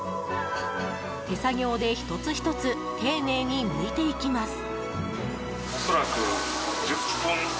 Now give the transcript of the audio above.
手作業で１つ１つ丁寧にむいていきます。